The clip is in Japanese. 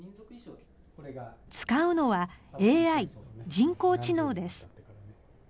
使うのはＡＩ・人工知能です。